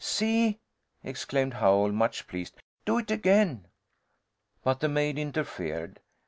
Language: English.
"See!" exclaimed Howell, much pleased. "Do it again!" But the maid interfered.